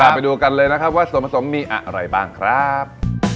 เอาล่ะไปดูกันเลยนะครับว่าสมสมมีอะไรบ้างครับ